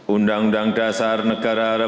untuk pahamkan kebenaran warga vs